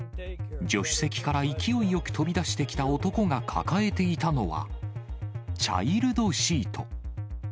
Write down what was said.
助手席から勢いよく飛び出してきた男が抱えていたのは、チャイルドシート。